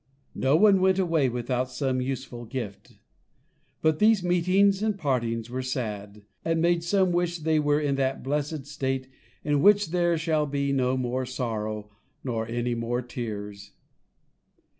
No one went away without some useful gift; but these meetings and partings were sad, and made some wish they were in that blessed state in which there shall be no more sorrow, nor any more tears.